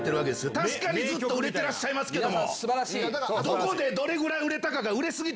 確かにずっと売れてらっしゃいますけども。